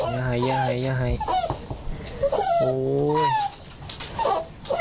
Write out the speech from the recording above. อย่าหายอย่าหายอย่าหาย